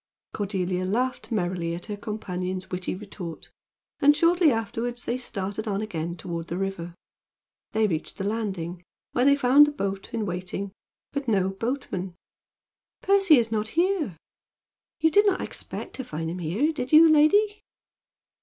Cordelia laughed merrily at her companion's witty retort, and shortly afterward they started on again toward the river. They reached the landing, where they found the boat in waiting, but no boatman. "Percy is not here!" "You did not expect to find him here, did you, lady?"